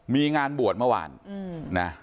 มีงานบวชเมื่อวานนะ